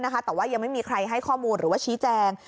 แต่ว่ายังไม่มีใครให้ข้อมูลหรือว่าชี้แจง